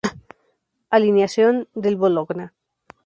Alineación del Bologna